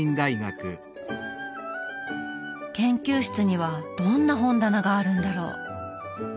研究室にはどんな本棚があるんだろう。